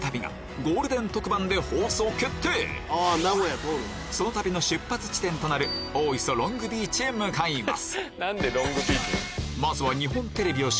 東京から京都までその旅の出発地点となる大磯ロングビーチへ向かいます